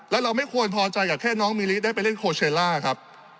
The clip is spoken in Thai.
แล้วเราไม่ควรพอใจกับแค่น้องมิลิได้ไปเล่นโคเชลล่าครับ